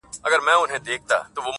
تر ملكونو تر ښارونو رسيدلي-